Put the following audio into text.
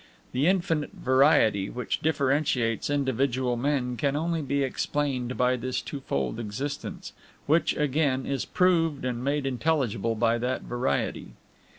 The infinite variety which differentiates individual men can only be explained by this twofold existence, which, again, is proved and made intelligible by that variety.